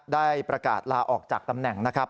ได้ประกาศลาออกจากตำแหน่งนะครับ